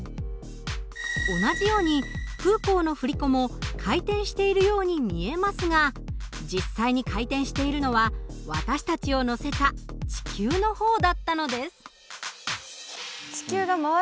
同じようにフーコーの振り子も回転しているように見えますが実際に回転しているのは私たちを乗せた地球の方だったのです。